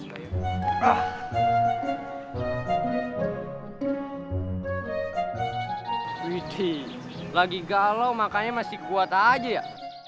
hai widi lagi galau makanya masih kuat aja ya